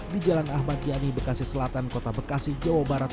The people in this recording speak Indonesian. di jalan ahmad yani bekasi selatan kota bekasi jawa barat